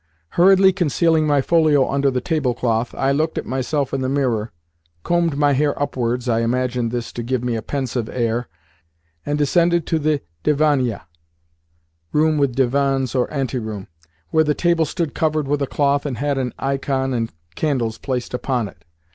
Hurriedly concealing my folio under the table cloth, I looked at myself in the mirror, combed my hair upwards (I imagined this to give me a pensive air), and descended to the divannaia, [Room with divans, or ante room] where the table stood covered with a cloth and had an ikon and candles placed upon it.